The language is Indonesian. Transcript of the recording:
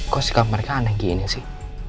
kok si kamar kanan gini sih